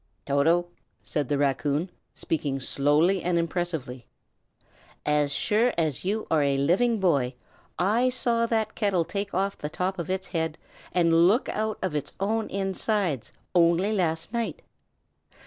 "Toto," said the raccoon, speaking slowly and impressively, "as sure as you are a living boy, I saw that kettle take off the top of its head and look out of its own inside, only last night.